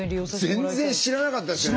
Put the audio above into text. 全然知らなかったですね。